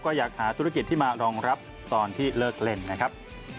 ก็อยากหาธุรกิจที่มารองรับตอนที่เลิกเล่นนะครับ